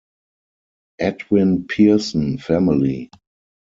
Edwin Pearson family.